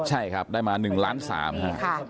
ใช่ครับได้มา๑๓๐๐๐๐๐บาท